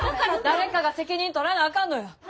誰かが責任取らなあかんのや。